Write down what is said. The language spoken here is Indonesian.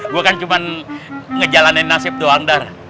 gue kan cuma ngejalanin nasib doang dar